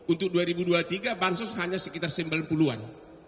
untuk dua ribu dua puluh tiga bansos hanya sekitar sembilan puluh an